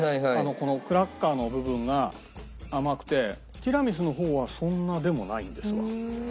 このクラッカーの部分が甘くてティラミスの方はそんなでもないんですわ。